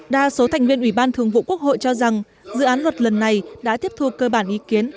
đa số thành viên ủy ban thường vụ quốc hội cho rằng dự án luật lần này đã tiếp thu cơ bản ý kiến